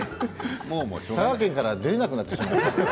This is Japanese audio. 佐賀県から出られなくなってしまった。